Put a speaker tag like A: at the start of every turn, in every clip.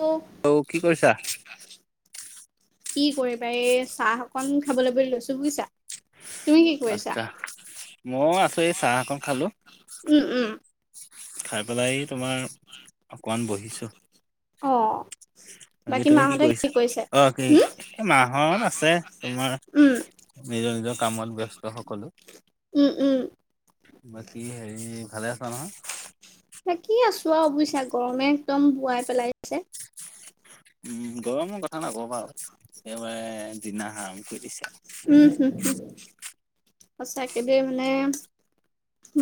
A: ত'
B: অ' কি কৰিছা?
A: কি কৰিবা এই চাহ অকণ খাবলৈ বুলি লৈছো, বুজিছা? তুমি কি কৰি আছা?
B: আচ্ছা মই আছোঁ এই চাহ অকণ খালো,
A: উম উম
B: খাই পেলাই তোমাৰ অকমান বহিছো।
A: অ'
B: বাকি
A: বাকী
B: তুমি কি
A: মাহঁতে
B: কৰিছা,
A: কৰিছে
B: অ' কি
A: হম
B: এই মাহত আছে তোমাৰ
A: উম
B: নিজৰ নিজৰ কামত ব্যস্ত সকলো।
A: উম, উম।
B: বাকী হেৰি ভালে আছা নহয়?
A: চোৱা বুইছা গৰমে একদম বোৱাই পেলাইছে।
B: উম, গৰমৰ কথা নকবা বাৰু একেবাৰে জিনা হাৰাম কৰি দিছে।
A: উম, হম, হম সঁচাকে দেই মানে।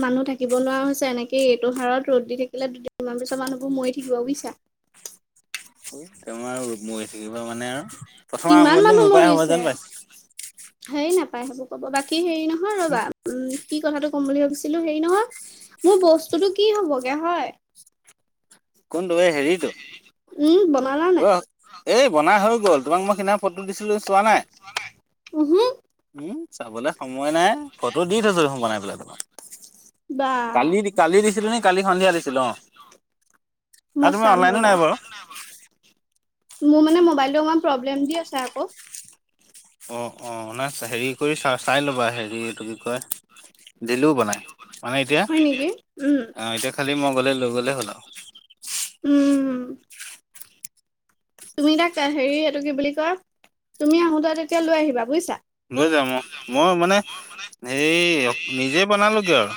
A: মানুহ থাকিব নোৱাৰা হৈছে, এনেকেই এইটো হাৰত ৰ'দ দি থাকিলে দুদিনমান পিছৰ মানুহবোৰ মৰি থাকিব বুজিছা।
B: টোমাৰ মৰি থাকিব মানে আৰু। প্ৰথম
A: কিমান
B: আৰম্ভণিটো মোৰ
A: মানুহ
B: পৰাই হ'ব
A: মৰিছে।
B: যেন পাইছো
A: হেই নাপায় সেইবোৰ কব বাকী হেৰি নহয় ৰবা উম, কি কথাটো। ক'ম বুলি ভাবিছিলোঁ হেৰি নহয় মোৰ বস্তুটো কি হ'বগে হয়।
B: কোনটো এই হেৰিটো।
A: উম। বনালা
B: ক
A: নাই
B: [unintelligible] এই বনাই হৈ গ'ল তোমাক মই সিদিনা ফটো দিছিলোঁ চোৱা নাই
A: উহু
B: উম। চাবলৈ সময় নাই ফটো দি থৈছোঁ দেখোন বনাই পেলাই তোমাক।
A: বা
B: কালি, কালি দিছিলোঁ নে কালি সন্ধিয়া দিছিলোঁ অ'। আৰু
A: মই
B: তুমি
A: চাম
B: অনলাইনো
A: ৰ'বা
B: নাই বাৰু।
A: মোৰ মানে মোবাইলটো অকমান প্ৰব্লেম দি আছে আকৌ।
B: অ', অ'নাই হেৰি কৰি চা চাই ল'বা হেৰি এইটো কি কয়। দিলোঁ বনাই মানে এতিয়া
A: হয় নেকি উম
B: আহ, এতিয়া খালি মই গ'লে লৈ গ'লে হ'ল আৰু।
A: উম। তুমি তাক হেৰি এইটো কি বুলি কয়, তুমি আহোতে তেতিয়া লৈ আহিবা বুজিছা।
B: লৈ যাম মই মানে এইে নিজে বনালোঁ গে আৰু।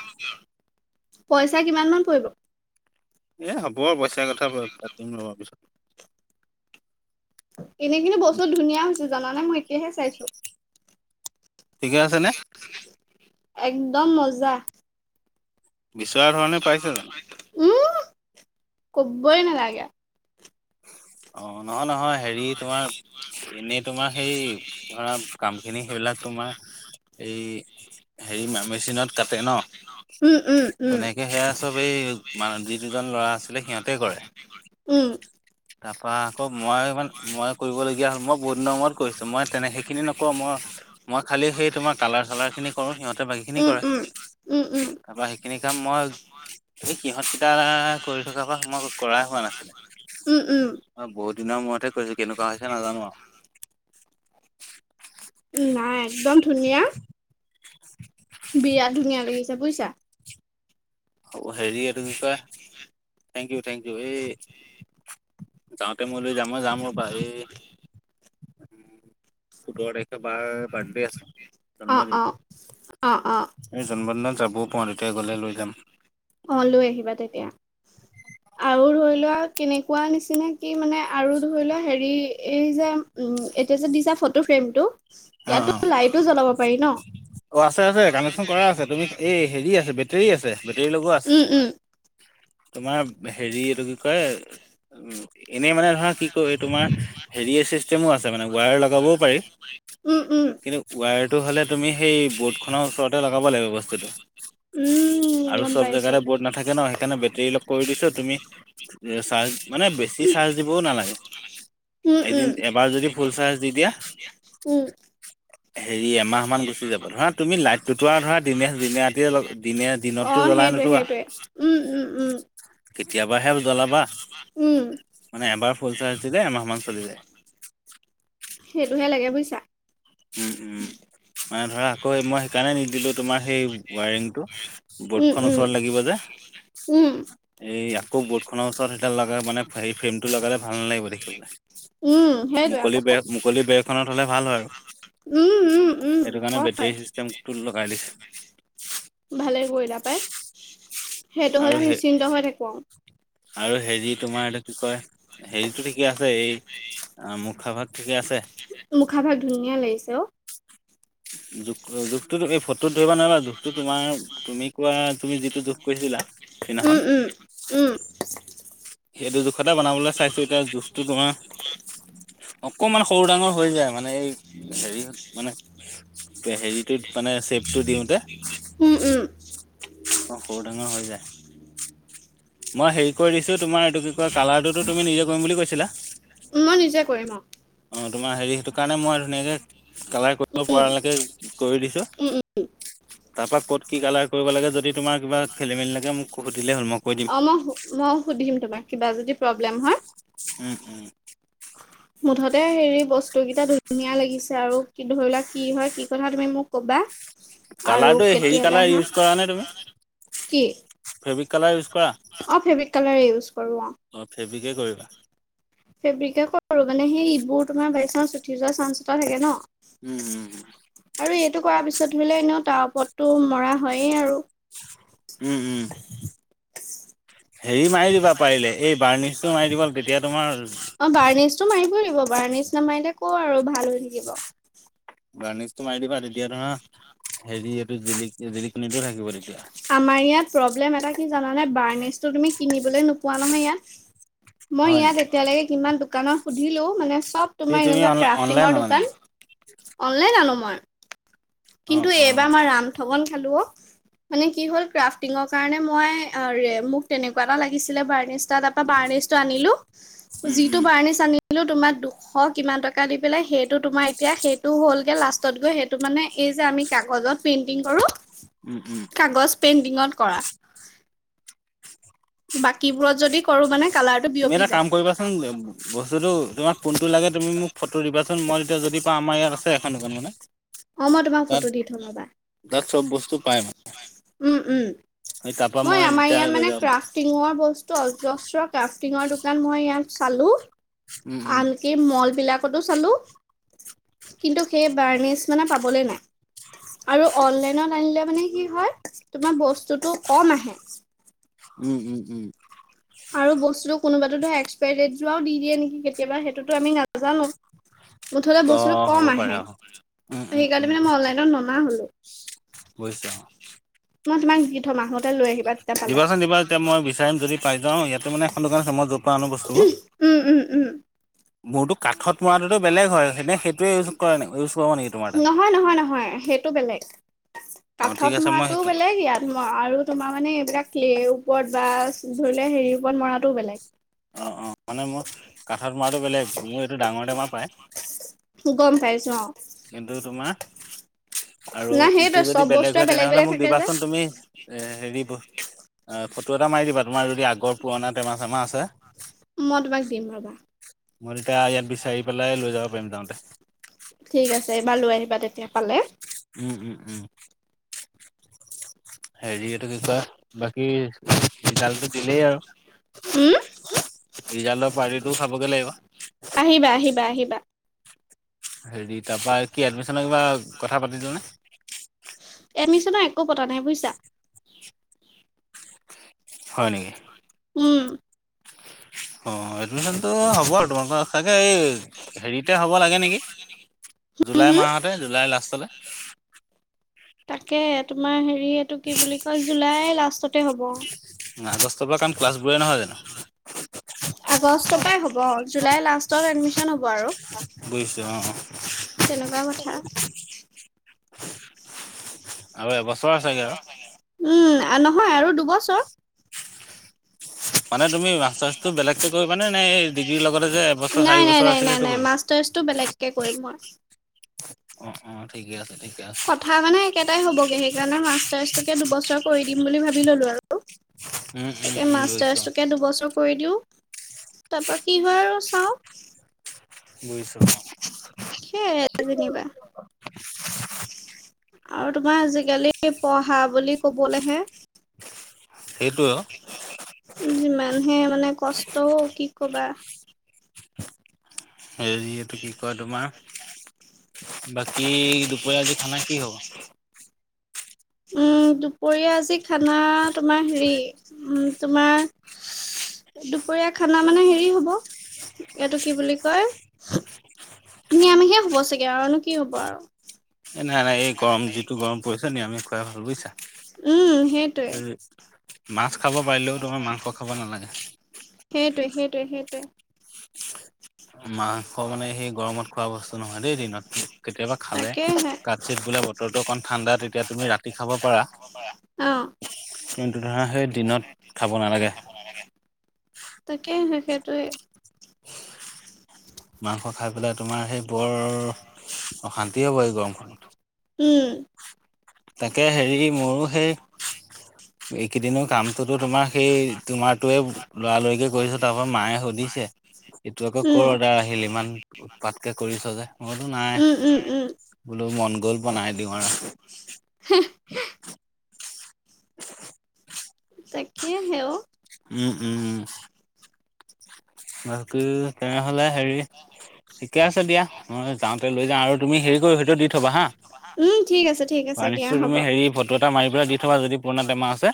A: পইচা কিমান মান পৰিব?
B: এই হ'ব আৰু পইচা কথা পাতিম ৰ'বা পিছত।
A: এনেই কিন্তু বস্তু ধুনীয়া হৈছে জানানে মই এতিয়াহে চাইছোঁ।
B: ঠিকে আছে নে?
A: একদম মজা।
B: বিচৰা ধৰণে পাইছে জানো
A: উম, কবই নালাগে।
B: অ', নহয়, নহয় হেৰি তোমাৰ এনেই তোমাৰ। সেই ধৰা কামখিনি সেইবিলাক তোমাৰ এই হেৰি মেচিনত। কাটে ন
A: উম উম
B: তেনেকে সেয়া চব এই। মান যি দুজন ল'ৰা আছিলে সিহঁতে কৰে।
A: উম।
B: তাৰ পৰা আকৌ মই ইমান মই কৰিবলগীয়া হ'ল, মই বহুত দিনৰ মূৰত কৰিছো মই তেনে সেইখিনি নকওঁ মই। মই খালি সেই তোমাৰ কালাৰ চালাৰ খিনি কৰো সিহঁতে বাকী খিনি
A: উম উম
B: কৰে।
A: উম উম
B: তাৰপৰা সেইখিনি কাম মই। এই সিহঁতকেইটা কৰি থকাৰ পৰা মই কৰা হোৱা নাছিলে।
A: উম উম উম
B: অ', বহুত দিনৰ মূৰতহে কৰিছোঁ কেনেকুৱা হৈছে নাজানো আৰু।
A: নাই একদম ধুনীয়া। বিৰাট ধুনীয়া লাগিছে বুজিছা।
B: আৰু হেৰি এটো কি কয় থেংক ইউ, থেংক ইউ এ যাওঁতে মই লৈ যাম, যাম ৰবা এ সোতৰ তাৰিখে বাৰ। বাৰ্ডে আছে
A: অ
B: জন্মদিন
A: অ অ অ
B: এই জন্মদিনত যাব। পতোই গ'লে লৈ যাম।
A: অ', লৈ আহিবা তেতিয়া। আৰু ধৰি লোৱা কেনেকুৱা নিচিনকেই মানে আৰু ধৰি লোৱা হেৰি এই যে। উম, এতিয়া যে দিছা ফটো ফ্ৰেমটো।
B: অ',
A: ইয়াতো
B: অ',
A: লাইটো জ্বলাব পাৰি ন
B: অ'আছে, আছে কানেকচন কৰা আছে তুমি এই হেৰি আছে। হেৰি আছে বেটেৰী লগোৱা আছে।
A: উম উম
B: তোমাৰ হেৰি এইটো কি কয়। এনেই মানে ধৰা, কি কয়, এই তোমাৰ হেৰি, এ, চিষ্টেমো আছে মানে, ৱায়াৰ লগাবও পাৰি।
A: উম উম
B: কিন্তু ৱায়াৰটো হ'লে তুমি সেই বৰ্ডখনৰ ওচৰতে লগাব লাগিব বস্তুটো।
A: উম
B: আৰু
A: গম
B: চব
A: পাইছো
B: জেগাতে বৰ্ড নাথাকে ন। সেইকাৰণে বেটেৰী কৰি দিছোঁ। তুমি [unintelligible] মানে বেছি চাৰ্জ দিবও নালাগে।
A: উম
B: এদিন,
A: উম
B: এবাৰ যদি ফুল চাৰ্জ দি দিয়া
A: উম
B: হেৰি, এমাহমান গুচি যাব। ধৰা, তুমি লাইটটো ধৰা, ধৰা দিনে-দিনে, ৰাতিয়ে লগাব, দিনে-দিনতো জ্বলাই নুঠোৱা
A: সেইটোৱেই, সেইটোৱেই। উম, উম, উম।
B: কেতিয়াবাহে জ্বলাবা
A: উম
B: মানে এবাৰ ফুল চাৰ্জ দিলে, এমাহমান চলি যায়।
A: সেইটোহে লাগে, বুজিছা।
B: উম, উম। মানে ধৰা, আকৌ মই সেইকাৰণে নিদিলোঁ। তোমাৰ সেই ৱায়াৰিংটো
A: উম
B: বৰ্ডখনৰ
A: উম
B: ওচৰতে লাগিব যে
A: উম
B: এইয়া আকৌ বৰ্ডখনৰ ওচৰত সেইডাল লগালে মানে, ফ্ৰেমটো লগালে ভাল নালাগিব দেখিবলৈ।
A: উম সেইটোৱে
B: মুকলি
A: আকৌ
B: বেৰত, মুকলি বেৰখনত হ'লে ভাল হয় আৰু
A: উম উম উম
B: সেইটো কাৰণে
A: হয়
B: বেটেৰী চিষ্টেমটো লগাই দিছে।
A: ভালে কৰিলা পায়। সেইটো
B: আৰু
A: হ'লে
B: হে
A: নিশ্চিন্ত হৈ থাকোঁ আৰু।
B: আৰু হেৰি, তোমাৰ এইটো কি কয়, হেৰিটো ঠিকে আছে? এই মুখাভাগ ঠিকে আছে? ছে
A: মুখাভাগ ধুনীয়া লাগিছে, অ'।
B: জোখ কৰা জোখ তো তুমি ফটোত ধৰিব নোৱাৰা। জোখটো তোমাৰ, তুমি কোৱা, তুমি যিটো জোখ কৈছিলা
A: উম
B: সেইদিনাখন [inaudible]
A: উম উম
B: সেইটো জোখতেই বনাবলৈ চাইছোঁ। এতিয়া জোখটো তোমাৰ অকণমান সৰু-ডাঙৰ হৈ যায় মানে, এই হেৰি, মানে হেৰিত মানে চেপটো দিওঁতে,
A: উম উম
B: অ', সৰু-ডাঙৰ হৈ যায়। মই হেৰি কৰি দিছোঁ। তোমাৰ এইটো কি কয়, কালাৰটোতো তুমি নিজে কৰিম বুলি কৈছিলা।
A: মই নিজে কৰিম আৰু
B: অ' তোমাৰ হেৰি, সেইটো কাৰণে মই ধুনীয়াকৈ কালাৰ কৰিব
A: উম,
B: পৰালৈকে কৰি দিছোঁ।
A: উম, উম।
B: তাৰ পৰা ক'ত কি কালাৰ কৰিব লাগে, যদি তোমাৰ কিবা খেলি মেলি লাগে মোক সুধিলেই হ'ল মই কৈ দিম
A: অ', মই, মই সুধিম তোমাক, কিবা যদি প্ৰব্লেম হয়
B: উম, উম।
A: মুঠতে হেৰি, বস্তুকেইটা ধুনীয়া লাগিছে। আৰু কি, ধৰি লোৱা, কি হয় কি কথা তুমি মোক ক'বা আৰু
B: কালাৰটো হেৰি
A: কেতিয়ালৈ
B: কালাৰ ইউজ
A: আহা,
B: কৰা নে তুমি
A: কি?
B: ফেব্ৰিক কালাৰ ইউজ কৰা
A: অ', ফেব্ৰিক কালাৰেই ইউজ কৰোঁ, অ'।
B: ফেব্ৰিকে কৰিবা
A: ফেব্ৰিকেই কৰোঁ মানে, সেই সেইবোৰ তোমাৰ [unintelligible] [unintelligible] যোৱা চান্স এটা থাকে ন?
B: উম, উম, উম।
A: তো কৰা পিছত ধৰি লোৱা, এনেও তাৰ ওপৰতটো মৰা হয়েই আৰু
B: উম, উম। হেৰি মাৰি দিবা পাৰিলে এই বাৰ্ণিছটো মাৰি দিবা তেতিয়া তোমাৰ
A: অ', বাৰ্ণিছটো মাৰিম। কৰিব। বাৰ্ণিছ নামাৰিলে কৰ আৰু ভাল হৈ থাকিব।
B: বাৰ্ণিছটো মাৰি দিবা। তেতিয়া তোমাৰ হেৰি, এইটো জিলিকি যে জিলিক জিলিকনিটো থাকিব তেতিয়া
A: আমাৰ ইয়াত প্ৰব্লেম এটা কি জানানে, বাৰ্ণিছটো তুমি কিনিবলৈ নোপোৱা নহয় ইয়াত। মই
B: হয় নি?
A: ইয়াত এতিয়ালৈকে কিমান দো কানত সুধিলোঁ মানে, চব
B: তে
A: তোমাৰ
B: তুমি
A: এনেকুৱা
B: অন অনলাইন
A: ক্ৰাফটিঙৰ
B: অনা নেকি?
A: দোকান অনলাইন আনোঁ মই। কিন্তু
B: অ',
A: এইবাৰ
B: অ'।
A: মই ৰাম ঠগন খালো অ। মানে কি হ'ল, ক্ৰাফটিঙৰ কাৰণে মই, মোক তেনেকুৱা এটা লাগিছিলে, বাৰ্ণিছ এটা, তাৰপৰা বাৰ্ণ ৰ্ণিছটো আনিলে,
B: উম,
A: যিটো
B: উম।
A: বাৰ্ণিছ আনিলে তোমাৰ দুশ কিমান টকা দি পেলাই, সেইটো তোমাৰ এতিয়া সেইটো হ'লগে, লাষ্টত গৈ সেইটো মানে এইযে আমি কাগজত পেইন্টিং কৰো।
B: উম উম।
A: পেইণ্টিঙত কৰা। বাকীবোৰত যদি কৰো মানে কালাৰটো
B: তুমি
A: বিয়পি
B: এটা
A: যায়
B: কাম কৰিবাচোন, বস্তুটো তোমাক কোনটো লাগে তুমি মোক ফটো দিবাচোন, মই এতিয়া যদি পাওঁ আমাৰ ইয়াত আছে এখন দোকান মানে,
A: অ মই তোমাক
B: তাত,
A: ফটো দি থম ৰ'বা
B: তাত চব বচ
A: উম উম।
B: সেই তাৰপা
A: মই আমাৰ
B: তেতিয়া
A: ইয়াত
B: লৈ
A: মানে
B: যাব পাৰিম।
A: ক্ৰাফ্টিঙৰ বস্তু অজস্ৰ ক্ৰাফ্টিঙৰ দো কান মই ইয়াত চালোঁ,
B: উম, উম,
A: আনকি ম'ল বিলাকতো চালোঁ, কিন্তু সেই বাৰ্নিচ মানে পাবলৈ নাই। আৰু অনলাইনত আনিলে মানে কি হয়? তোমাৰ বস্তুটো কম আহে।
B: উম, উম, উম।
A: আৰু বস্তুটো কোনোবাতোটো ধৰ, এক্সপাৰী ডেট যোৱাও দি দিয়ে নেকি কেতিয়াবা? সেইটোতো আমি নাজানো। মুঠতে বস্তুটো
B: ত' হ'ব
A: কম
B: পাৰে
A: আহে,
B: অ'। উম, উম, উম
A: সেইকাৰণে মানে মই অনলাইনত ননা হ'লো।
B: বুজিছোঁ।
A: মই তোমাক দি থ'ম, আহোতে লৈ আহিবা তেতিয়া পালে।
B: অ', ইয়াতে মানে এখন দোকান আছে, মই যৰ পৰা আনো বস্তুবোৰ।
A: উম উম উম।
B: বহুতো কাঠত মৰাটোতো বেলেগ হয়, এনে সেইটোৱে ইউজ কৰা ইউজ কৰিব নেকি তোমাৰ তাত।
A: নহয় নহয় নহয় সেইটো বেলেগ
B: অ ঠিক
A: কাঠত
B: আছে মই
A: মৰাটোওঁ
B: শিকাই
A: বেলেগ, ইয়াত আৰু তোমাৰ মানে এইবিলাক ওপৰত বা ধৰিলোৱা, হেৰিৰ ওপৰত মৰাটোও বেলেগ।
B: অ', অ', মানে মোৰ কাঠত মৰাটো বেলেগ, মোৰ এইটো ডাঙৰ টেমা পায়।
A: গম পাইছো অ
B: কিন্তু তোমাৰ আৰু
A: না
B: ইটো
A: সেইটোৱে
B: যদি
A: চব
B: বেলেগ
A: বস্তুৱে
B: হয়, তেনেহলে
A: বেলেগ
B: মোক
A: থাকে যে
B: দিবাচোন তুমি, এ হেৰি অ', ফটো এটা মাৰি দিবা, তোমাৰ যদি আগৰ পুৰণা টেমা চেমা আছে।
A: মই তোমাক দিম ৰবা
B: মই তেতিয়া ইয়াত বিচাৰি পেলাই লৈ যাব পাৰিম,
A: ঠিক
B: যাওঁতে।
A: আছে এইবাৰ লৈ আহিবা তেতিয়া, পালে।
B: উম, উম, উম। হেৰি এইটো কি কয়, বাকী ৰিজাল্টটো দিলেই আৰু,
A: উম
B: ৰিজাল্টৰ পাৰ্টিটো খাবগে লাগিব
A: আহিবা, আহিবা, আহিবা।
B: হেৰি তাৰপৰা কি এডমিচনৰ কিবা কথা পাতিছানে?
A: এডমিচনৰ একো পতা নাই বুজিছা।
B: হয় নেকি?
A: উম।
B: অ', এডমিচনতো হ'ব আৰু তোমালোকৰ তাকে এই হেৰিতেই হ'ব লাগে নেকি?
A: উম
B: জুলাই
A: হম
B: মাহতে, জুলাই লাষ্টলৈ।
A: তাকেহে, তোমাৰ হেৰি এইটো কি বুলি কয়, জুলাইৰ লাষ্টতে হ'ব।
B: আগষ্টৰ পৰা কাৰণ ক্লাছবোৰে নহয় জানো
A: আগষ্টৰ পৰাই হ'ব, জুলাই লাষ্টত এডমিচন হ'ব আৰু।
B: বুজিছো অহ।
A: তেনেকুৱা কথা
B: আৰু এবছৰ আছেগে আৰু।
A: উম, নহয় আৰু দুবছৰ।
B: মানে তুমি মাষ্টাৰ্ছটো বেলেগকে কৰিবানে নে এই ডিগ্ৰীৰ লগতে যে এবছৰ চাৰি
A: নাই, নাই,
B: বছৰ
A: নাই,
B: আছিলে
A: নাই,
B: সেইটো
A: নাই মাচ
B: কৰিবা?
A: মাষ্টাৰ্ছটো বেলেগে কৰিম মই।
B: অ', অ', ঠিকেই আছে, ঠিক
A: কথা মানে একেটাই হ'বগে, সেইকাৰণে মাষ্টাৰছটোকে দুবছৰ কৰি দিম বুলি ভাবি ললোঁ আৰু।
B: উম, উম,
A: তাকে
B: উম, বুজিছোঁ অ',
A: মাষ্টাৰছটোকে দুবছৰ কৰি দিওঁ, তাৰপৰা কি হয় আৰু চাওঁ।
B: বুজিছোঁ।
A: সেয়াই যেনিবা। আৰু তোমাৰ আজিকালি পঢ়া বুলি কবলৈহে
B: সেইটোয়ে।
A: সেই মানে কষ্ট কি ক'বা।
B: হেৰি, এইটো কি কয় তোমাৰ বাকী দুপৰীয়া আজি খানা কি হ'ব?
A: উম, দুপৰীয়া আজি খানা তোমাৰ হেৰি, উম, তোমাৰ দুপৰীয়া খানা মানে হেৰি হ'ব, এইটো কি বুলি কয় নিৰামিষে হ'ব চাগে, আৰুনো কি হ'ব আৰু
B: এই নাই, নাই, এই গৰম যিটো গৰম পৰিছে, নিৰামিষ খুৱাই ভাল বুজিছা।
A: উম সেইটোৱে।
B: মাছ খাব পাৰিলেও, তোমাৰ মাংস খাব নালাগে।
A: সেইটোৱে, সেইটোৱে, সেইটোৱে।
B: মাংস মানে সেই গৰমত খোৱা বস্তু নহয় দেই দিনত, কেতিয়াবা খালে
A: তাকেহে
B: কাৎচিৎ বোলে ব বতৰটো অকণ ঠাণ্ডা, তেতিয়া তুমি ৰাতি খাব পাৰা।
A: অ
B: কিন্তু ধৰা, সেই দিনত খাব নালাগে।
A: তাকেই, সেইটোৱে।
B: মাংস খাই পেলাই তোমাৰ সেই বৰ অশান্তি হ'ব এই গৰমখনত।
A: উম।
B: তাকে হেৰি, মোৰো সেই এইকেইদিনো কামটোতো তোমাৰ সেই তোমাৰটোৱে লৰালৰিকে কৰি আছো, তাৰ পৰা মায়ে সুধ দিছে, এইটো আকৌ ক'ৰ
A: উম
B: অৰ্ডাৰ আহিল, ইমান উৎপাতকে কৰিছ যে মইতো নাই
A: উম উম উম
B: বোলো মন গ'ল, বনাই দিওঁ আৰ।
A: হ। তাকে হে অ'।
B: উম, উম, উম। বাকী তেনেহ'লে হেৰি ঠিকে আছে দিয়া, মই যাওঁতে লৈ যাওঁ আৰু তুমি হেৰি কৰি সেইটো দি থবা হা।
A: উম ঠিক আছে ঠিক আছে দিয়া
B: ফাৰ্চটো
A: হ'ব
B: তুমি হেৰি ফটো এটা মাৰি পেলাই দি থবা যদি পুৰণা টেমা আছে,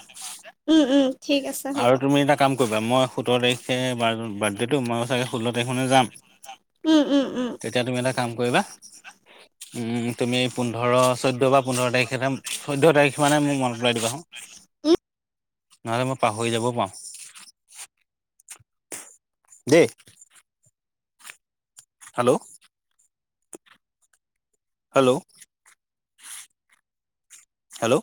A: উম উম ঠিক আছে হ'ব
B: আৰু তুমি এটা কাম কৰিবা, মই সোতৰ তাৰিখে বাৰ্থডেটো মই চাগে ষোল্ল তাৰিখমানে
A: উম উম উম
B: তেতিয়া তুমি এটা কাম কৰিবা, উম তুমি পোন্ধৰ, চৈধ্য বা পোন্ধৰ তাৰিখে, চৈধ্য তাৰিখ মানে মোক মনত পেলাই দিবা চোন।
A: উম
B: নহলে মই পাহৰি যাব পাৰো। দেই। Hello, hello. হেল্ল'।